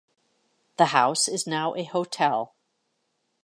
The house is now a hotel.